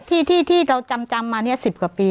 ที่ที่ที่เราจำจำมาเนี่ยสิบกว่าปี